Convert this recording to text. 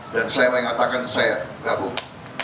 dan saya mengatakan saya bergabung